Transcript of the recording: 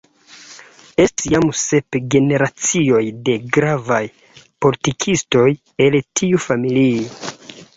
Estis jam sep generacioj da gravaj politikistoj el tiu familio.